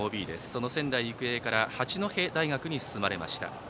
その仙台育英から八戸大学に進まれました。